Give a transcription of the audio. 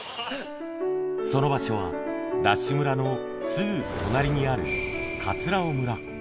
その場所は、ＤＡＳＨ村のすぐ隣にある、葛尾村。